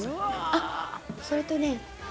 あっそれとね